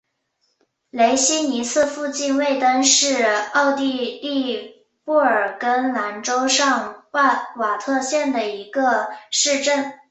雷希尼茨附近魏登是奥地利布尔根兰州上瓦特县的一个市镇。